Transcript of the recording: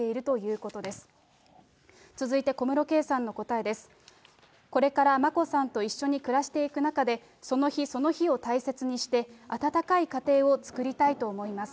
これから眞子さんと一緒に暮らしていく中で、その日その日を大切にして、温かい家庭を作りたいと思います。